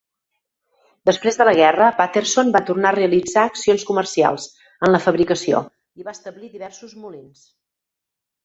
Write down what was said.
Després de la guerra, Patterson va tornar a realitzar accions comercials en la fabricació i va establir diversos molins.